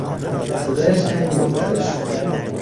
صدایش کمی مرتعش شد.